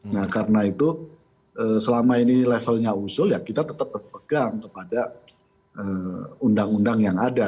nah karena itu selama ini levelnya usul ya kita tetap berpegang kepada undang undang yang ada